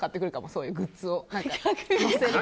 そういうグッズを。